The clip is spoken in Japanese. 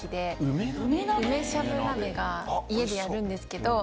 梅しゃぶ鍋が家でやるんですけど。